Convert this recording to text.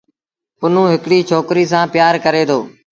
پنهون هڪڙيٚ ڇوڪريٚ سآݩ پيٚآر ڪريٚ دو۔